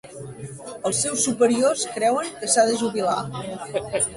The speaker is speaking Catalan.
Els seus superiors creuen que s'ha de jubilar.